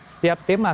setiap tim akan menang